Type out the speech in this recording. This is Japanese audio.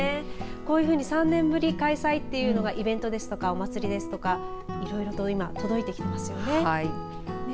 こういうふうに３年ぶり再開というイベントですとかお祭りですとかいろいろと今届いてきていますよね。